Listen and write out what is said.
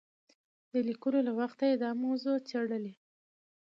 د لیکلو له وخته یې دا موضوع څېړلې.